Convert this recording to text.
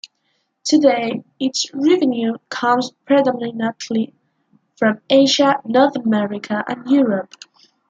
Today, its revenue comes predominately from Asia, North America, and Europe.